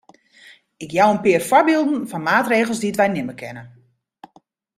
Ik jou in pear foarbylden fan maatregels dy't wy nimme kinne.